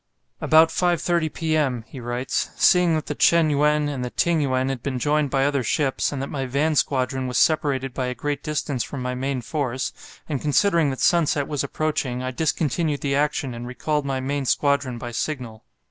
"About 5.30 p.m.," he writes, "seeing that the 'Chen yuen' and the 'Ting yuen' had been joined by other ships, and that my van squadron was separated by a great distance from my main force, and considering that sunset was approaching, I discontinued the action, and recalled my main squadron by signal.